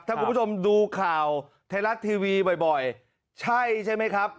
ถ้าคุณผู้ชมดูข่าวไทยรัฐทีวีบ่อยใช่ใช่ไหมครับ